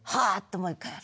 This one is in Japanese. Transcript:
もう一回やる。